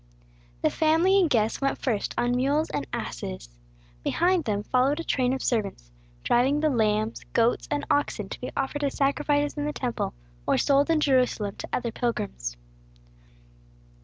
The family and guests went first on mules and asses. Behind them followed a train of servants, driving the lambs, goats, and oxen to be offered as sacrifices in the temple, or sold in Jerusalem to other pilgrims.